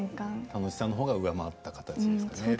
楽しさのほうが上回ったんですね。